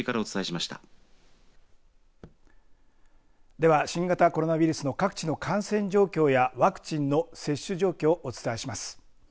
では新型コロナウイルスの各地の感染状況やワクチンの接種状況をお伝えします。